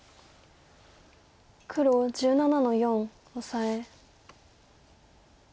黒１７の四オサエ。